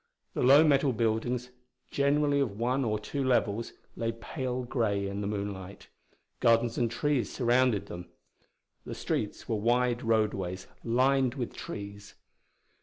The low metal buildings, generally of one or two levels, lay pale grey in the moonlight. Gardens and trees surrounded them. The streets were wide roadways, lined with trees.